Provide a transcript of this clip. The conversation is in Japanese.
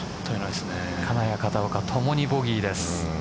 金谷、片岡ともにボギーです。